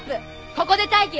ここで待機。